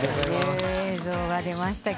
映像が出ました。